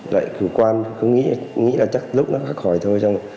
lại cử quan cũng nghĩ là chắc lúc đó phát khỏi thôi